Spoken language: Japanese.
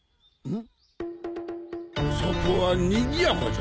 ん！